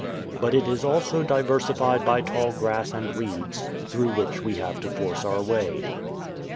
But it is also diversified by tall grass and reeds, through which we have to force our way."